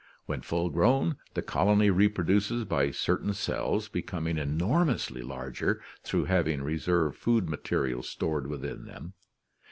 When full grown, the colony re produces by certain cells becoming enor mously larger through having reserve food 0 material stored within them.